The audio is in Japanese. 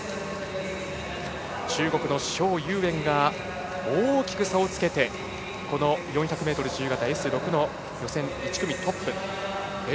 中国の蒋裕燕が大きく差をつけて４００ｍ自由形Ｓ６の予選１組トップ。